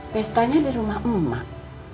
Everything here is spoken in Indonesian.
pestanya di rumah emak